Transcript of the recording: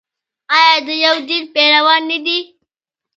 آیا د یو دین پیروان نه دي؟